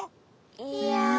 いや。